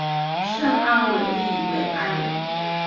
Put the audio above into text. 圣阿维里维埃。